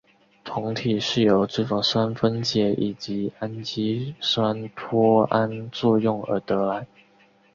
酮体是由脂肪酸分解以及氨基酸脱氨作用而得来。